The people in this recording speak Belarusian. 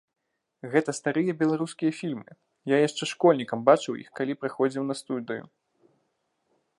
Гэта старыя беларускія фільмы, я яшчэ школьнікам бачыў іх, калі прыходзіў на студыю.